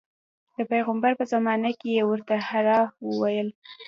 د پیغمبر په زمانه کې یې ورته حرا ویل.